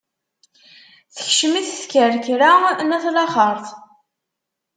Tekcem-it tkerkra n at laxeṛt.